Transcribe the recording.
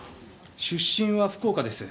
出身は福岡です。